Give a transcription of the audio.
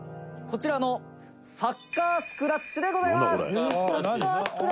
「こちらのサッカースクラッチでございます！」